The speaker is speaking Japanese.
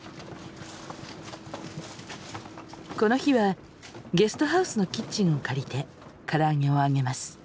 この日はゲストハウスのキッチンを借りてからあげを揚げます。